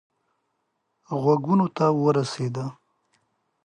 غوږونو ته ورسېدی.